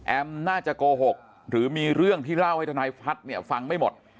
น่าจะโกหกหรือมีเรื่องที่เล่าให้ทนายพัฒน์เนี่ยฟังไม่หมด